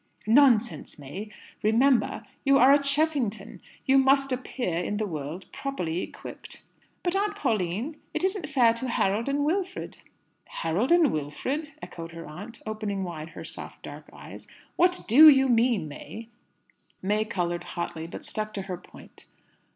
"Nonsense, May! Remember you are a Cheffington. You must appear in the world properly equipped." "But, Aunt Pauline, it isn't fair to Harold and Wilfred!" "Harold and Wilfred?" echoed her aunt, opening wide her soft dark eyes. "What do you mean, May?" May coloured hotly, but stuck to her point.